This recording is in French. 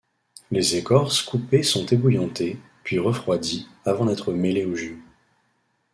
Les écorces coupées sont ébouillantées, puis refroidies, avant d'être mêlées au jus.